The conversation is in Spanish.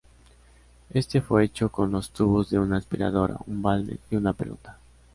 Este fue hecho con los tubos de una aspiradora, un balde y una pelota.